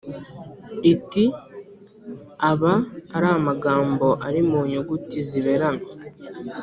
iti “aba ari magambo ari mu nyuguti ziberamye”